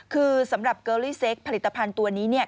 คือสำหรับเกอรี่เซ็กผลิตภัณฑ์ตัวนี้เนี่ย